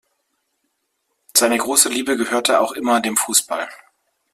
Seine große Liebe gehörte auch immer dem Fußball.